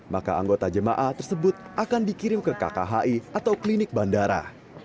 maka anggota jemaah tersebut akan dikirim ke kkhi atau klinik bandara